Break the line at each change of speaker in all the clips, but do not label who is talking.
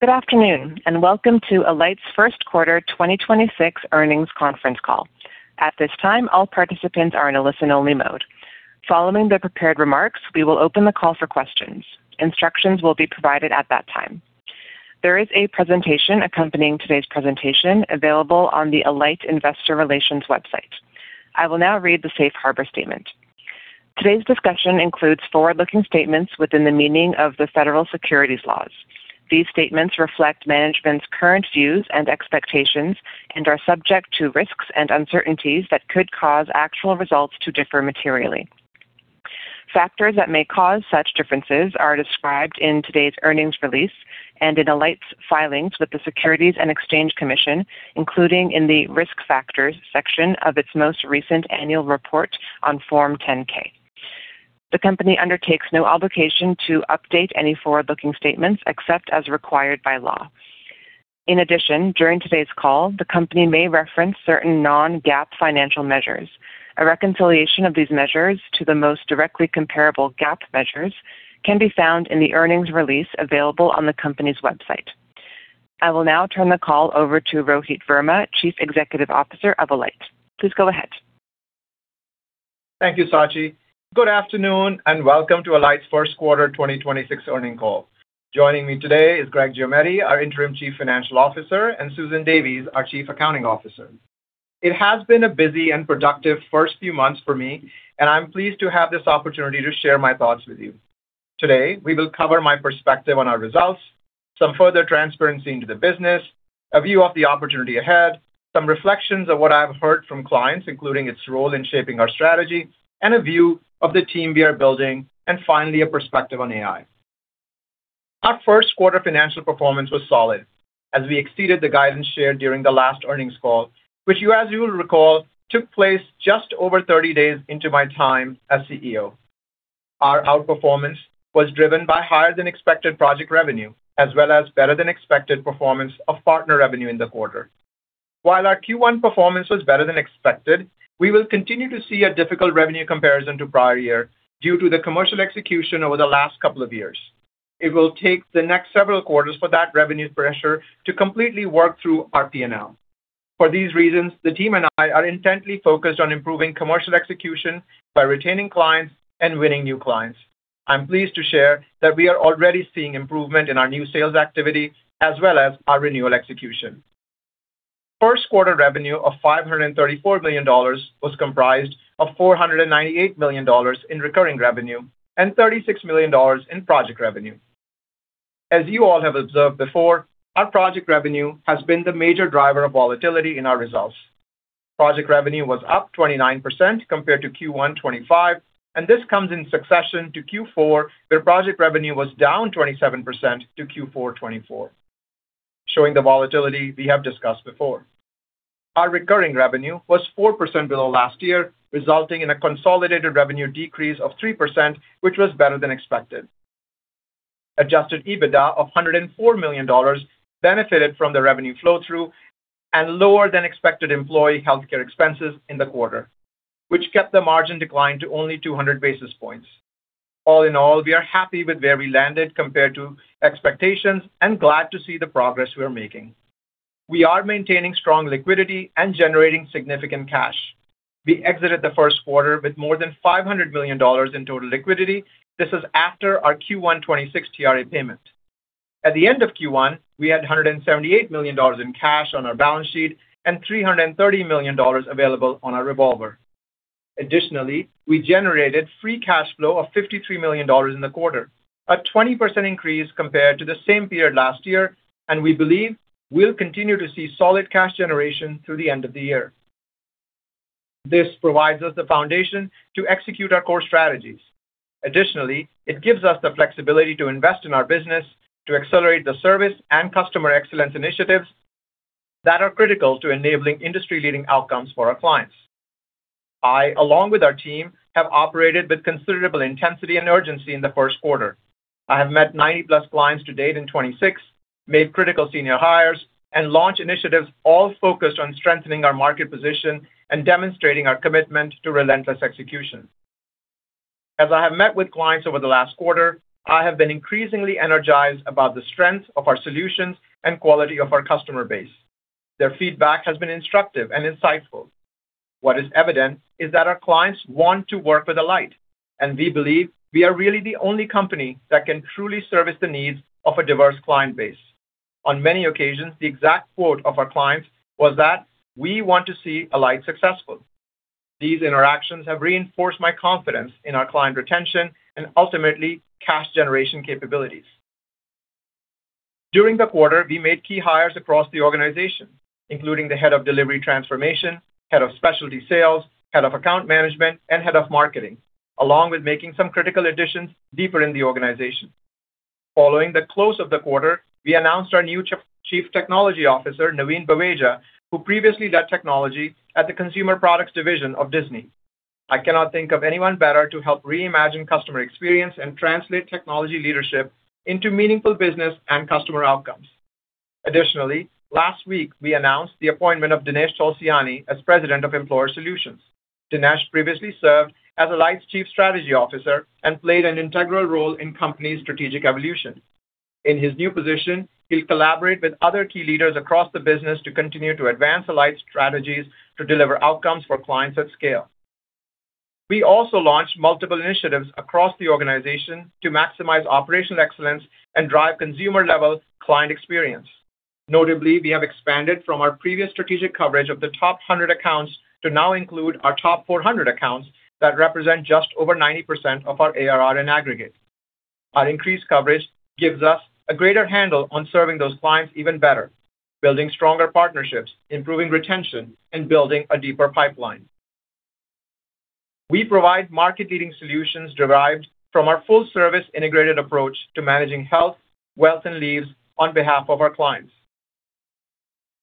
Good afternoon, and welcome to Alight's Q1 2026 Earnings Conference Call. At this time, all participants are in a listen-only mode. Following the prepared remarks, we will open the call for questions. Instructions will be provided at that time. There is a presentation accompanying today's presentation available on the Alight Investor Relations website. I will now read the safe harbor statement. Today's discussion includes forward-looking statements within the meaning of the Federal Securities Laws. These statements reflect management's current views and expectations and are subject to risks and uncertainties that could cause actual results to differ materially. Factors that may cause such differences are described in today's earnings release and in Alight's filings with the Securities and Exchange Commission, including in the Risk Factors section of its most recent annual report on Form 10-K. The company undertakes no obligation to update any forward-looking statements except as required by law. In addition, during today's call, the company may reference certain non-GAAP financial measures. A reconciliation of these measures to the most directly comparable GAAP measures can be found in the earnings release available on the company's website. I will now turn the call over to Rohit Verma, Chief Executive Officer of Alight. Please go ahead.
Thank you, Sachi. Good afternoon, and welcome to Alight's Q1 2026 Earnings Call. Joining me today is Greg Giometti, our interim Chief Financial Officer, and Susan Davies, our Chief Accounting Officer. It has been a busy and productive first few months for me, and I'm pleased to have this opportunity to share my thoughts with you. Today, we will cover my perspective on our results, some further transparency into the business, a view of the opportunity ahead, some reflections of what I've heard from clients, including its role in shaping our strategy, and a view of the team we are building, and finally, a perspective on AI. Our Q1 financial performance was solid as we exceeded the guidance shared during the last earnings call, which as you will recall, took place just over 30 days into my time as CEO. Our outperformance was driven by higher than expected project revenue, as well as better than expected performance of partner revenue in the quarter. While our Q1 performance was better than expected, we will continue to see a difficult revenue comparison to prior year due to the commercial execution over the last couple of years. It will take the next several quarters for that revenue pressure to completely work through our P&L. For these reasons, the team and I are intently focused on improving commercial execution by retaining clients and winning new clients. I'm pleased to share that we are already seeing improvement in our new sales activity as well as our renewal execution. Q1 revenue of $534 million was comprised of $498 million in recurring revenue and $36 million in project revenue. As you all have observed before, our project revenue has been the major driver of volatility in our results. Project revenue was up 29% compared to Q1 2025, and this comes in succession to Q4, where project revenue was down 27% to Q4 2024, showing the volatility we have discussed before. Our recurring revenue was 4% below last year, resulting in a consolidated revenue decrease of 3%, which was better than expected. Adjusted EBITDA of $104 million benefited from the revenue flow-through and lower than expected employee healthcare expenses in the quarter, which kept the margin decline to only 200 basis points. All in all, we are happy with where we landed compared to expectations and glad to see the progress we are making. We are maintaining strong liquidity and generating significant cash. We exited the Q1 with more than $500 million in total liquidity. This is after our Q1 2026 TRA payment. At the end of Q1, we had $178 million in cash on our balance sheet and $330 million available on our revolver. Additionally, we generated free cash flow of $53 million in the quarter, a 20% increase compared to the same period last year, and we believe we'll continue to see solid cash generation through the end of the year. This provides us the foundation to execute our core strategies. Additionally, it gives us the flexibility to invest in our business to accelerate the service and customer excellence initiatives that are critical to enabling industry-leading outcomes for our clients. I, along with our team, have operated with considerable intensity and urgency in the Q1. I have met 90+ clients to date in 2026, made critical senior hires, and launched initiatives all focused on strengthening our market position and demonstrating our commitment to relentless execution. As I have met with clients over the last quarter, I have been increasingly energized about the strength of our solutions and quality of our customer base. Their feedback has been instructive and insightful. What is evident is that our clients want to work with Alight, and we believe we are really the only company that can truly service the needs of a diverse client base. On many occasions, the exact quote of our clients was that, "We want to see Alight successful." These interactions have reinforced my confidence in our client retention and ultimately cash generation capabilities. During the quarter, we made key hires across the organization, including the Head of Delivery Transformation, head of specialty sales, Head of Account Management, and Head of Marketing, along with making some critical additions deeper in the organization. Following the close of the quarter, we announced our new Chief Technology Officer, Naveen Baweja, who previously led technology at the consumer products division of Disney. I cannot think of anyone better to help reimagine customer experience and translate technology leadership into meaningful business and customer outcomes. Additionally, last week we announced the appointment of Dinesh Tulsiani as President of Employer Solutions. Dinesh previously served as Alight's Chief Strategy Officer and played an integral role in company's strategic evolution. In his new position, he'll collaborate with other key leaders across the business to continue to advance Alight's strategies to deliver outcomes for clients at scale. We also launched multiple initiatives across the organization to maximize operational excellence and drive consumer-level client experience. Notably, we have expanded from our previous strategic coverage of the top 100 accounts to now include our top 400 accounts that represent just over 90% of our ARR in aggregate. Our increased coverage gives us a greater handle on serving those clients even better, building stronger partnerships, improving retention, and building a deeper pipeline. We provide market-leading solutions derived from our full-service integrated approach to managing health, wealth, and leaves on behalf of our clients.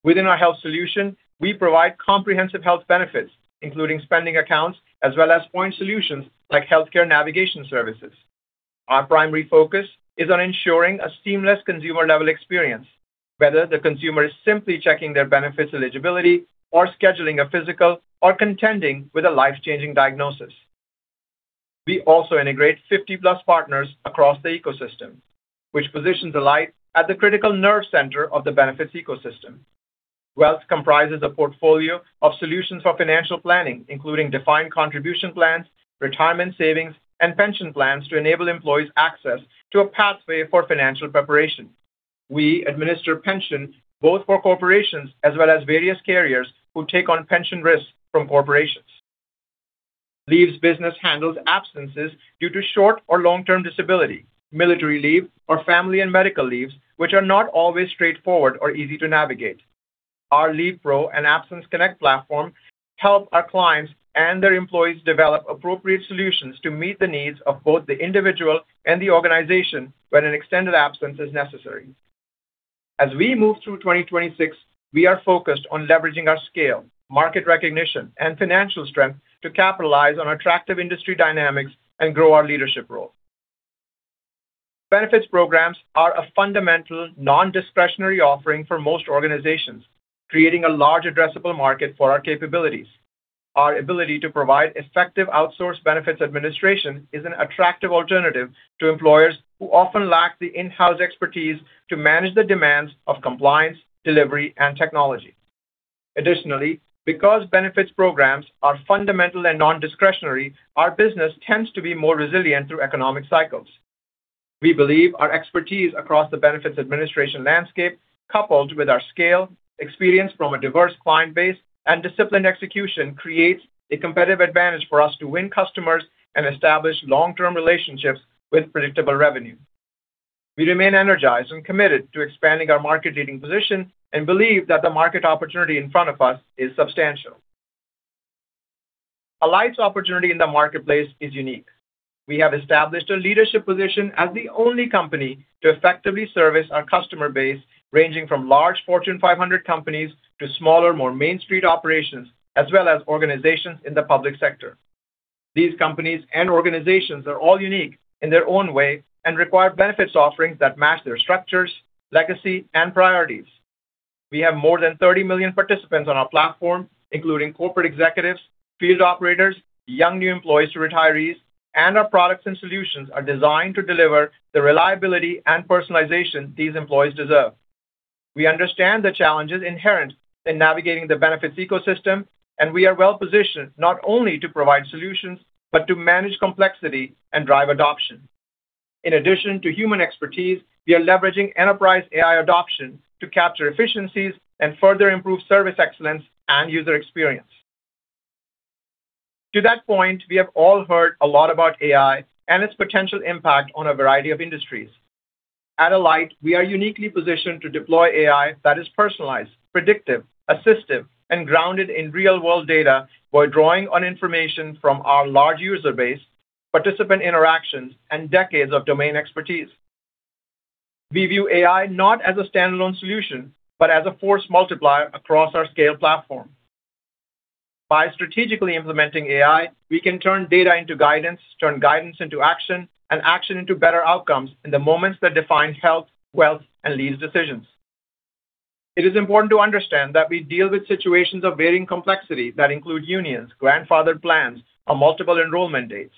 Within our health solution, we provide comprehensive health benefits, including spending accounts as well as point solutions like healthcare navigation services. Our primary focus is on ensuring a seamless consumer-level experience, whether the consumer is simply checking their benefits eligibility or scheduling a physical or contending with a life-changing diagnosis. We also integrate 50+ partners across the ecosystem, which positions Alight at the critical nerve center of the benefits ecosystem. Wealth comprises a portfolio of solutions for financial planning, including defined contribution plans, retirement savings, and pension plans to enable employees access to a pathway for financial preparation. We administer pension both for corporations as well as various carriers who take on pension risks from corporations. Leaves business handles absences due to short or long-term disability, military leave, or family and medical leaves, which are not always straightforward or easy to navigate. Our LeavePro and AbsenceConnect platform help our clients and their employees develop appropriate solutions to meet the needs of both the individual and the organization when an extended absence is necessary. As we move through 2026, we are focused on leveraging our scale, market recognition, and financial strength to capitalize on attractive industry dynamics and grow our leadership role. Benefits programs are a fundamental non-discretionary offering for most organizations, creating a large addressable market for our capabilities. Our ability to provide effective outsourced benefits administration is an attractive alternative to employers who often lack the in-house expertise to manage the demands of compliance, delivery, and technology. Additionally, because benefits programs are fundamental and non-discretionary, our business tends to be more resilient through economic cycles. We believe our expertise across the benefits administration landscape, coupled with our scale, experience from a diverse client base, and disciplined execution creates a competitive advantage for us to win customers and establish long-term relationships with predictable revenue. We remain energized and committed to expanding our market-leading position and believe that the market opportunity in front of us is substantial. Alight's opportunity in the marketplace is unique. We have established a leadership position as the only company to effectively service our customer base, ranging from large Fortune 500 companies to smaller, more main street operations, as well as organizations in the public sector. These companies and organizations are all unique in their own way and require benefits offerings that match their structures, legacy, and priorities. We have more than 30 million participants on our platform, including corporate executives, field operators, young new employees to retirees, and our products and solutions are designed to deliver the reliability and personalization these employees deserve. We understand the challenges inherent in navigating the benefits ecosystem, and we are well-positioned not only to provide solutions but to manage complexity and drive adoption. In addition to human expertise, we are leveraging enterprise AI adoption to capture efficiencies and further improve service excellence and user experience. To that point, we have all heard a lot about AI and its potential impact on a variety of industries. At Alight, we are uniquely positioned to deploy AI that is personalized, predictive, assistive, and grounded in real-world data by drawing on information from our large user base, participant interactions, and decades of domain expertise. We view AI not as a standalone solution, but as a force multiplier across our scale platform. By strategically implementing AI, we can turn data into guidance, turn guidance into action, and action into better outcomes in the moments that define health, wealth, and leaves decisions. It is important to understand that we deal with situations of varying complexity that include unions, grandfathered plans, or multiple enrollment dates.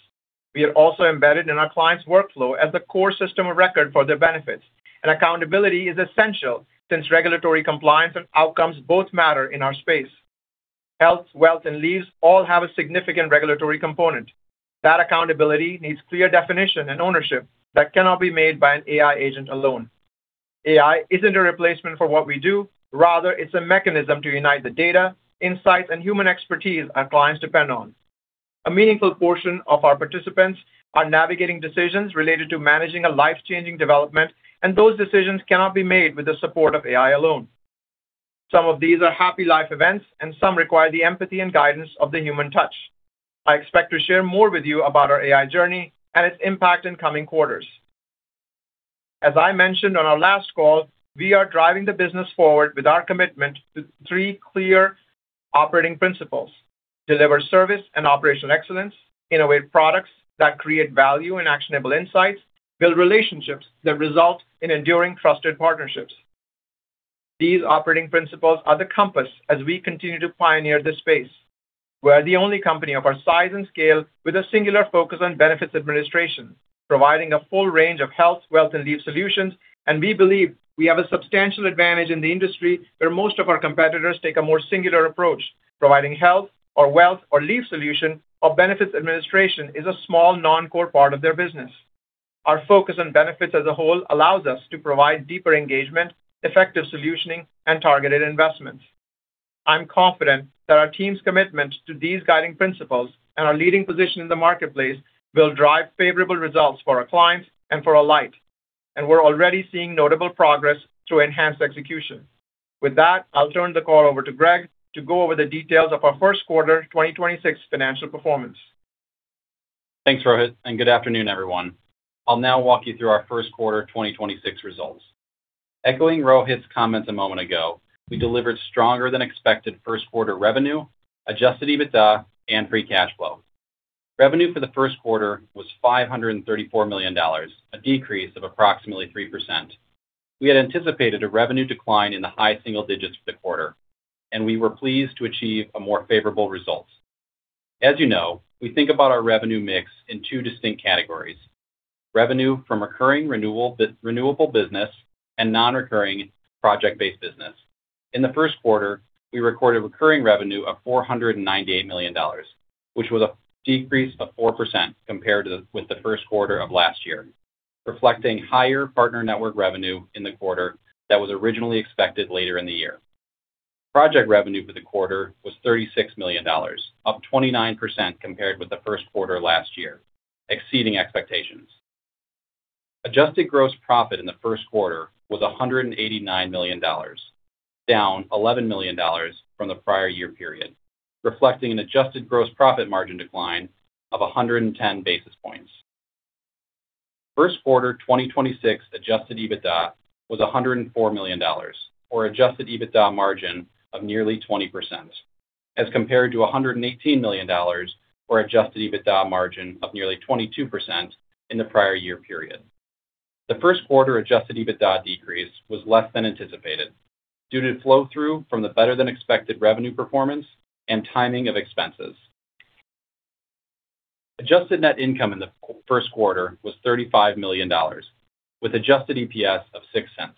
We are also embedded in our clients' workflow as the core system of record for their benefits, and accountability is essential since regulatory compliance and outcomes both matter in our space. Health, wealth, and leaves all have a significant regulatory component. That accountability needs clear definition and ownership that cannot be made by an AI agent alone. AI isn't a replacement for what we do. Rather, it's a mechanism to unite the data, insights, and human expertise our clients depend on. A meaningful portion of our participants are navigating decisions related to managing a life-changing development, and those decisions cannot be made with the support of AI alone. Some of these are happy life events, and some require the empathy and guidance of the human touch. I expect to share more with you about our AI journey and its impact in coming quarters. As I mentioned on our last call, we are driving the business forward with our commitment to three clear operating principles: deliver service and operational excellence, innovate products that create value and actionable insights, build relationships that result in enduring trusted partnerships. These operating principles are the compass as we continue to pioneer this space. We are the only company of our size and scale with a singular focus on benefits administration, providing a full range of health, wealth and leave solutions. We believe we have a substantial advantage in the industry where most of our competitors take a more singular approach, providing health or wealth or leave solution or benefits administration is a small non-core part of their business. Our focus on benefits as a whole allows us to provide deeper engagement, effective solutioning and targeted investments. I'm confident that our team's commitment to these guiding principles and our leading position in the marketplace will drive favorable results for our clients and for Alight, we're already seeing notable progress through enhanced execution. With that, I'll turn the call over to Greg to go over the details of our Q1 2026 financial performance.
Thanks, Rohit, good afternoon, everyone. I'll now walk you through our Q1 2026 results. Echoing Rohit's comments a moment ago, we delivered stronger than expected Q1 revenue, Adjusted EBITDA and free cash flow. Revenue for the Q1 was $534 million, a decrease of approximately 3%. We had anticipated a revenue decline in the high single digits for the quarter, we were pleased to achieve a more favorable result. As you know, we think about our revenue mix in two distinct categories: revenue from recurring renewable business and non-recurring project-based business. In the Q1, we recorded recurring revenue of $498 million, which was a decrease of 4% compared with the Q1 of last year, reflecting higher partner network revenue in the quarter that was originally expected later in the year. Project revenue for the quarter was $36 million, up 29% compared with the Q1 last year, exceeding expectations. adjusted gross profit in the Q1 was $189 million, down $11 million from the prior year period, reflecting an adjusted gross profit margin decline of 110 basis points. Q1 2026 Adjusted EBITDA was $104 million, or Adjusted EBITDA margin of nearly 20%, as compared to $118 million or Adjusted EBITDA margin of nearly 22% in the prior year period. The Q1 Adjusted EBITDA decrease was less than anticipated due to flow through from the better-than-expected revenue performance and timing of expenses. Adjusted net income in the Q1 was $35 million, with adjusted EPS of $0.06,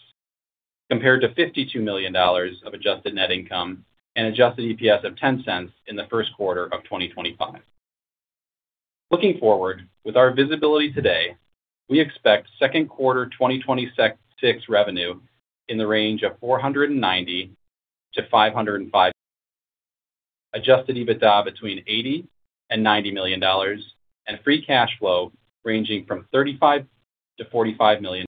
compared to $52 million of adjusted net income and adjusted EPS of $0.10 in the Q1 of 2025. Looking forward, with our visibility today, we expect Q2 2026 revenue in the range of $490 million-$505 million. Adjusted EBITDA between $80 million and $90 million and free cash flow ranging from $35 million-$45 million.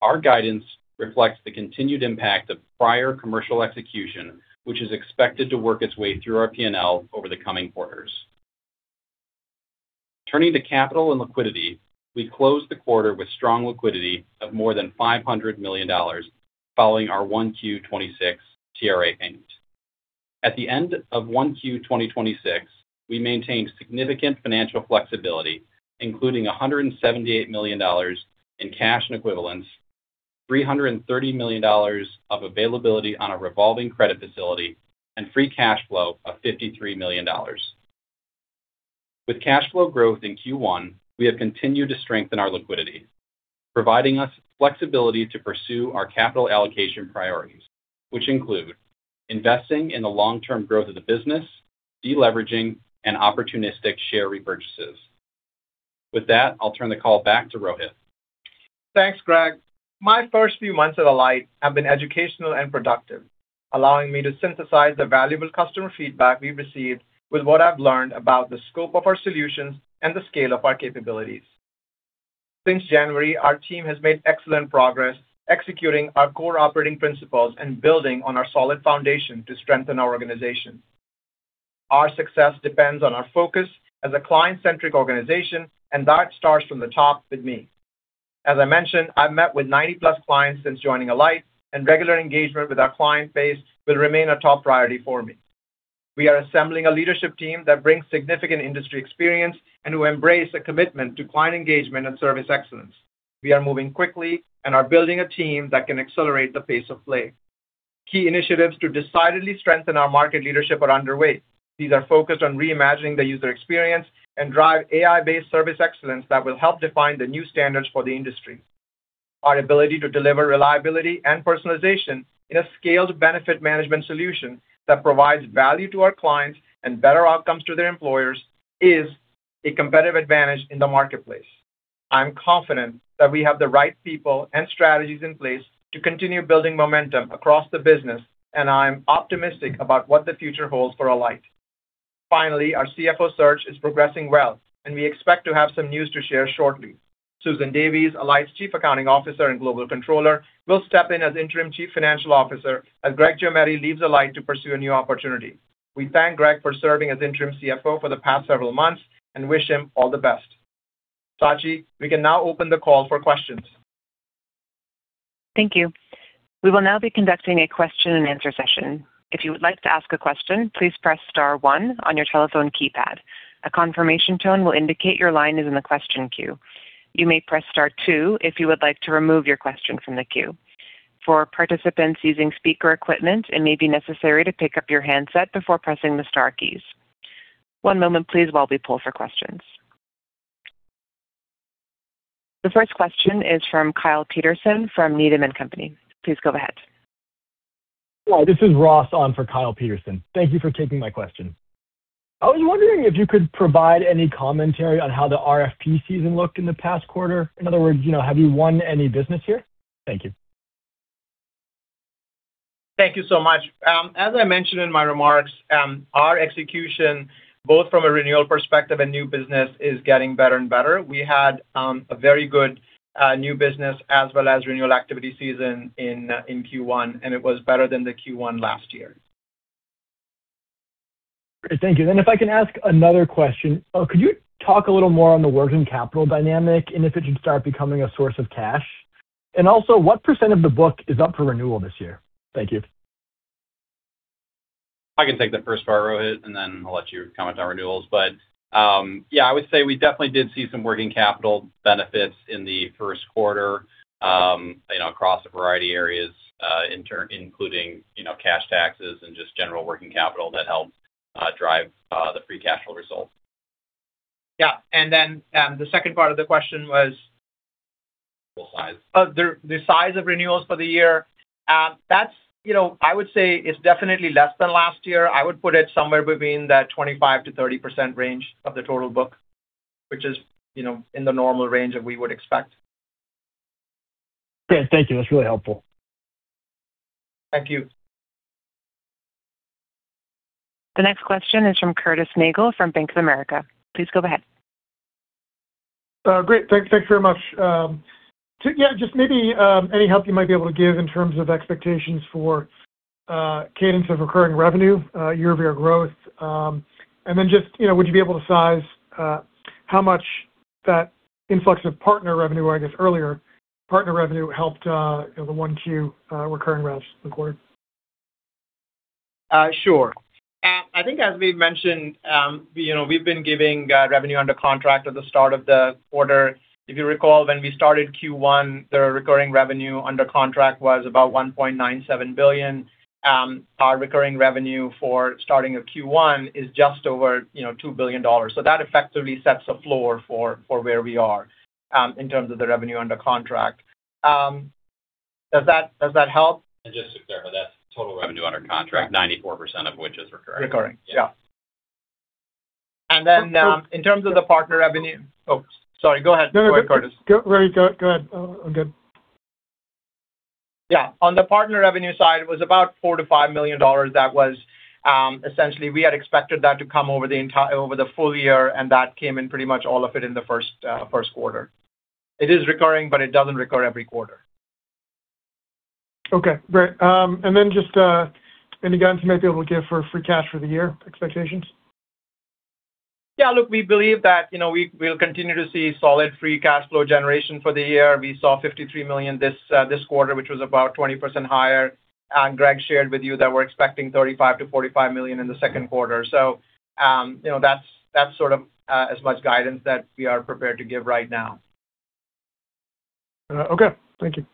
Our guidance reflects the continued impact of prior commercial execution, which is expected to work its way through our P&L over the coming quarters. Turning to capital and liquidity, we closed the quarter with strong liquidity of more than $500 million following our 1Q 2026 TRA payment. At the end of 1Q 2026, we maintained significant financial flexibility, including $178 million in cash and equivalents, $330 million of availability on a revolving credit facility, and free cash flow of $53 million. With cash flow growth in Q1, we have continued to strengthen our liquidity, providing us flexibility to pursue our capital allocation priorities, which include investing in the long-term growth of the business, deleveraging and opportunistic share repurchases. With that, I'll turn the call back to Rohit.
Thanks, Greg. My first few months at Alight have been educational and productive, allowing me to synthesize the valuable customer feedback we've received with what I've learned about the scope of our solutions and the scale of our capabilities. Since January, our team has made excellent progress executing our core operating principles and building on our solid foundation to strengthen our organization. Our success depends on our focus as a client-centric organization, and that starts from the top with me. As I mentioned, I've met with 90+ clients since joining Alight, and regular engagement with our client base will remain a top priority for me. We are assembling a leadership team that brings significant industry experience and who embrace a commitment to client engagement and service excellence. We are moving quickly and are building a team that can accelerate the pace of play. Key initiatives to decidedly strengthen our market leadership are underway. These are focused on reimagining the user experience and drive AI-based service excellence that will help define the new standards for the industry. Our ability to deliver reliability and personalization in a scaled benefit management solution that provides value to our clients and better outcomes to their employers is a competitive advantage in the marketplace. I'm confident that we have the right people and strategies in place to continue building momentum across the business, and I'm optimistic about what the future holds for Alight. Finally, our CFO search is progressing well, and we expect to have some news to share shortly. Susan Davies, Alight's Chief Accounting Officer and Global Controller, will step in as Interim Chief Financial Officer as Greg Giometti leaves Alight to pursue a new opportunity. We thank Greg for serving as interim CFO for the past several months and wish him all the best. Sachi, we can now open the call for questions.
Thank you. We will now be conducting a question and answer session. If you would like to ask a question, please press star one on your telephone keypad. A confirmation tone will indicate your line is in the question queue. You may press star two if you would like to remove your question from the queue. For participants using speaker equipment, it may be necessary to pick up your handset before pressing the star keys. One moment please while we pull for questions. The first question is from Kyle Peterson from Needham & Company. Please go ahead.
This is Ross on for Kyle Peterson. Thank you for taking my question. I was wondering if you could provide any commentary on how the RFP season looked in the past quarter. In other words, you know, have you won any business here? Thank you.
Thank you so much. As I mentioned in my remarks, our execution, both from a renewal perspective and new business, is getting better and better. We had a very good new business as well as renewal activity season in Q1, and it was better than the Q1 last year.
Great. Thank you. If I can ask another question. Could you talk a little more on the working capital dynamic and if it should start becoming a source of cash? Also what percent of the book is up for renewal this year? Thank you.
I can take the first part, Rohit, then I'll let you comment on renewals. Yeah, I would say we definitely did see some working capital benefits in the Q1, you know, across a variety of areas, including, you know, cash taxes and just general working capital that helped drive the free cash flow results.
Yeah. Then, the second part of the question was.
Total size.
the size of renewals for the year. That's, you know, I would say is definitely less than last year. I would put it somewhere between that 25%-30% range of the total book, which is, you know, in the normal range that we would expect.
Great. Thank you. That's really helpful.
Thank you.
The next question is from Curtis Nagle from Bank of America. Please go ahead.
Great. Thanks very much. Yeah, just maybe, any help you might be able to give in terms of expectations for cadence of recurring revenue, year-over-year growth. Then just, you know, would you be able to size how much that influx of partner revenue, I guess earlier, partner revenue helped, you know, the 1Q recurring revs in the quarter?
Sure. I think as we've mentioned, you know, we've been giving revenue under contract at the start of the quarter. If you recall, when we started Q1, the recurring revenue under contract was about $1.97 billion. Our recurring revenue for starting of Q1 is just over, you know, $2 billion. That effectively sets a floor for where we are in terms of the revenue under contract. Does that help?
Just to clarify, that's total revenue under contract.
Correct.
94% of which is recurring.
Recurring.
Yeah.
Yeah. In terms of the partner revenue.
No, no.
Oh, sorry. Go ahead.
No, no.
Go ahead, Curtis.
Go ahead. I'm good.
Yeah. On the partner revenue side, it was about $4 million-$5 million. That was essentially we had expected that to come over the full year, that came in pretty much all of it in the Q1. It is recurring, it doesn't recur every quarter.
Okay, great. just, any guidance you might be able to give for free cash for the year expectations?
Yeah, look, we believe that, you know, we'll continue to see solid free cash flow generation for the year. We saw $53 million this quarter, which was about 20% higher. Greg shared with you that we're expecting $35 million-$45 million in the Q2. You know, that's sort of as much guidance that we are prepared to give right now.
Okay. Thank you.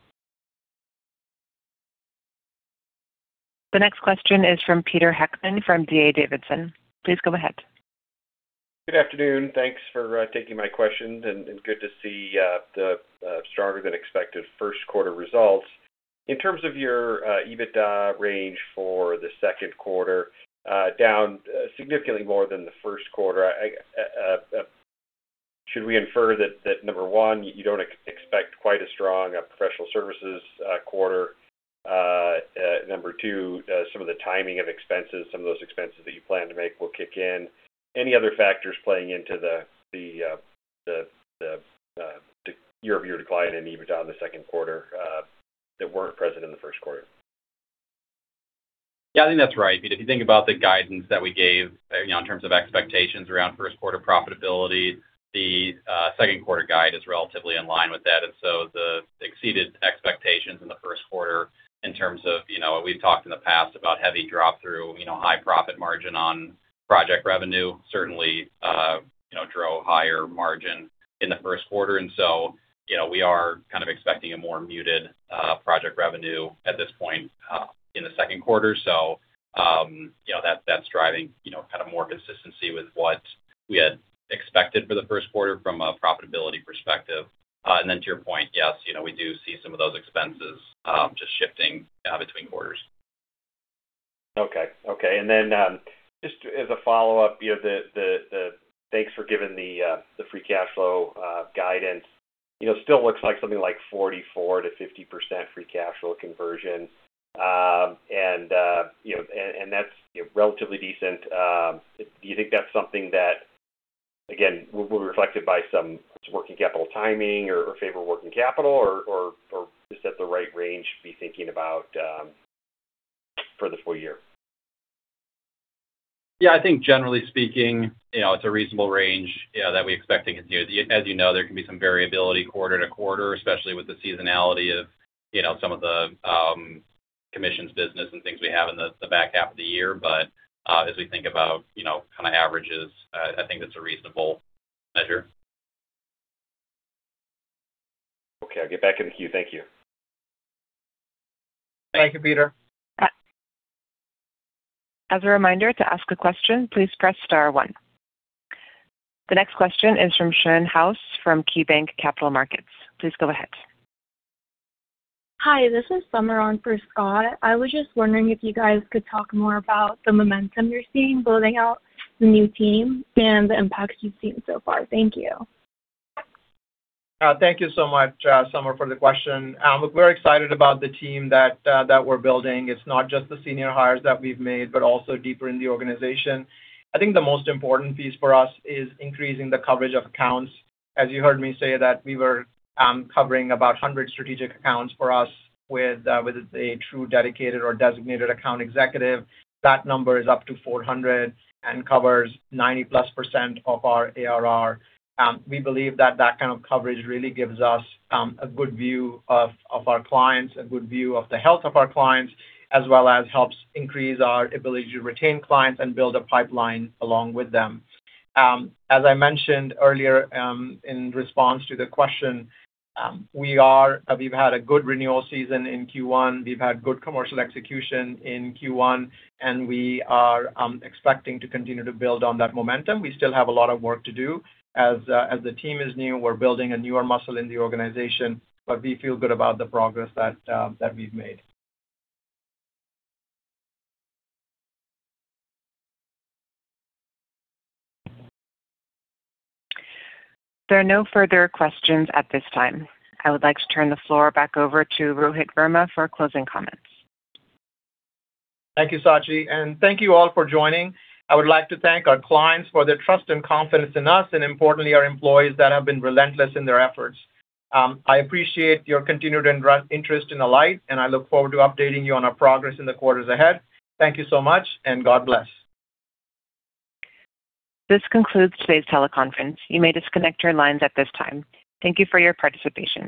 The next question is from Peter Heckmann from D.A. Davidson. Please go ahead.
Good afternoon. Thanks for taking my questions and good to see the stronger than expected Q1 results. In terms of your EBITDA range for the Q2, down significantly more than the Q1, should we infer that, number one, you don't expect quite a strong professional services quarter? Number two, some of the timing of expenses, some of those expenses that you plan to make will kick in. Any other factors playing into the year-over-year decline in EBITDA in the Q2 that weren't present in the Q1?
Yeah, I think that's right, Peter. If you think about the guidance that we gave, you know, in terms of expectations around Q1 profitability, the Q2 guide is relatively in line with that. The exceeded expectations in the Q1 in terms of, you know, what we've talked in the past about heavy drop through, you know, high profit margin on project revenue certainly drove higher margin in the Q1. You know, we are kind of expecting a more muted project revenue at this point in the Q2. You know, that's driving, you know, kind of more consistency with what we had expected for the Q1 from a profitability perspective. To your point, yes, you know, we do see some of those expenses just shifting between quarters.
Okay. Okay. Just as a follow-up, you know, thanks for giving the free cash flow guidance. You know, it still looks like something like 44% to 50% free cash flow conversion. You know, that's, you know, relatively decent. Do you think that's something that, again, will be reflected by some working capital timing or favor working capital or is that the right range to be thinking about for the full year?
Yeah, I think generally speaking, you know, it's a reasonable range that we expecting it to do. As you know, there can be some variability quarter to quarter, especially with the seasonality of, you know, some of the commissions business and things we have in the back half of the year. As we think about, you know, kind of averages, I think that's a reasonable measure.
Okay. I'll get back in the queue. Thank you.
Thank you, Pete.
As a reminder, to ask a question, please press star one. The next question is from Scott Schoenhaus from KeyBanc Capital Markets. Please go ahead.
Hi, this is Summer on for Scott. I was just wondering if you guys could talk more about the momentum you're seeing building out the new team and the impacts you've seen so far. Thank you.
Thank you so much, Summer, for the question. Look, we're excited about the team that we're building. It's not just the senior hires that we've made, but also deeper in the organization. I think the most important piece for us is increasing the coverage of accounts. As you heard me say that we were covering about 100 strategic accounts for us with a true dedicated or designated account executive. That number is up to 400 and covers 90+% of our ARR. We believe that that kind of coverage really gives us a good view of our clients, a good view of the health of our clients, as well as helps increase our ability to retain clients and build a pipeline along with them. As I mentioned earlier, in response to the question, we've had a good renewal season in Q1. We've had good commercial execution in Q1, and we are expecting to continue to build on that momentum. We still have a lot of work to do. As the team is new, we're building a newer muscle in the organization, but we feel good about the progress that we've made.
There are no further questions at this time. I would like to turn the floor back over to Rohit Verma for closing comments.
Thank you, Sachi, and thank you all for joining. I would like to thank our clients for their trust and confidence in us, and importantly, our employees that have been relentless in their efforts. I appreciate your continued interest in Alight, and I look forward to updating you on our progress in the quarters ahead. Thank you so much, and God bless.
This concludes today's teleconference. You may disconnect your lines at this time. Thank you for your participation.